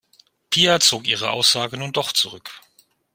Pia zog ihre Aussage nun doch zurück.